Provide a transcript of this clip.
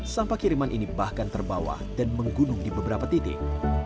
sampah kiriman ini bahkan terbawa dan menggunung di beberapa titik